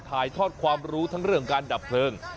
ถ่ายทอดความรู้ทั้งเรื่องการดับเพลิง